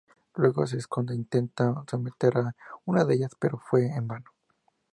Luego se esconde e intenta someter a una de ellas, pero fue en vano.